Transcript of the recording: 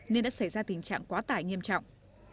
nên đã xảy ra tình trạng quá tải nghiêm trọng